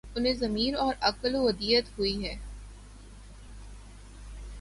انہیں ضمیر اور عقل ودیعت ہوئی ہی